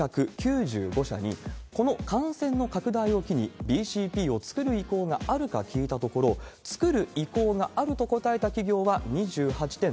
１５９５社に、この感染の拡大を機にＢＣＰを作る意向があるか聞いたところ、作る意向があると答えた企業は２８．７％。